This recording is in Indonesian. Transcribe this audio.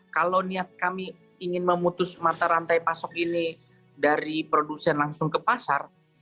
kalau niat kami ingin memutus mata rantai pasok ini dari produsen langsung ke pasar